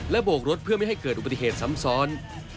โบกรถเพื่อไม่ให้เกิดอุบัติเหตุซ้ำซ้อน